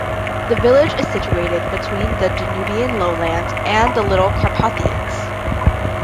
The village is situated between the Danubian Lowland and the Little Carpathians.